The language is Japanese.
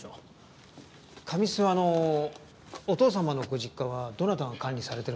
上諏訪のお父様のご実家はどなたが管理されてるんですか？